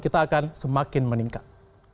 kita akan semakin meningkat